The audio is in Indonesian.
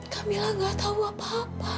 kamila gak tahu apa apa